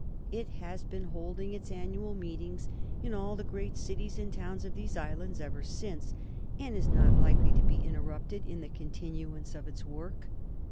It has been holding its annual meetings in all the great cities and towns of these islands ever since, and is not likely to be interrupted in the continuance of its work.